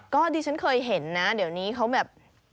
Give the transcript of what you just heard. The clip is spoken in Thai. ก็ดิฉันเคยเห็นนะเดี๋ยวนี้เขาแบบ